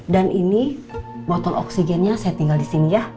dan ini botol oksigennya saya tinggal di sini ya